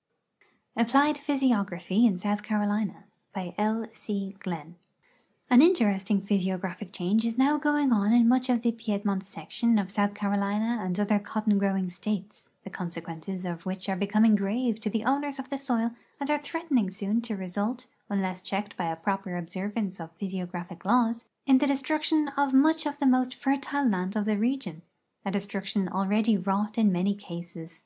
] APPLIED PHYSIOGRAPHY IN SOUTH CAROLINA B}^ L. C. Gli:>x • An interesting phj'siographic change is now going on in much of the Piedmont section of South Carolina and other cotton growing states, the consequences of which are becoming grave to the owners of the soil and are threatening soon to result, un less checked by a proper observance of ph3'siogra])hic laws, in the destruction of much of the most fertile land of the region — a destruction already wrought in many cases.